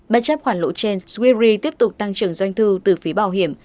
bất chấp khoản lũ trên swiss re tiếp tục tăng trưởng doanh thư từ phí bảo hiểm